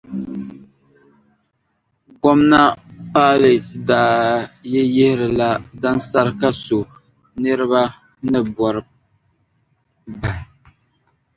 Gomna Pailɛt daa yi yihirila dansarika so niriba ni bɔri bahi.